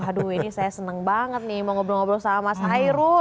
aduh ini saya senang banget nih mau ngobrol ngobrol sama mas hairul